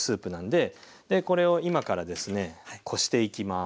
でこれを今からですねこしていきます。